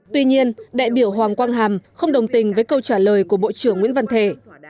tuy nhiên đại biểu hoàng quang hàm không đồng tình với câu trả lời của bộ trưởng nguyễn văn thể